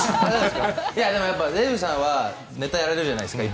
でも、やっぱりデーブさんはネタやられるじゃないですか。